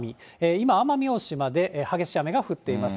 今、奄美大島で激しい雨が降っています。